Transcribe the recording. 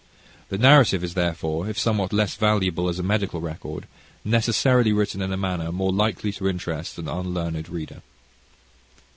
The narrative is therefore, if somewhat less valuable as a medical record, necessarily written in a manner more likely to interest an unlearned reader.